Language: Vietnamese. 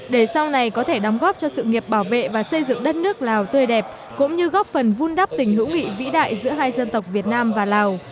để sau này có thể đóng góp cho sự nghiệp bảo vệ và xây dựng đất nước lào tươi đẹp cũng như góp phần vun đắp tình hữu nghị vĩ đại giữa hai dân tộc việt nam và lào